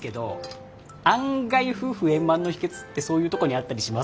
案外夫婦円満の秘けつってそういうとこにあったりしますからね。